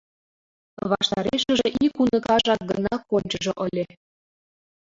Ваштарешыже ик уныкажак гына кончыжо ыле.